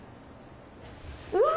うわ！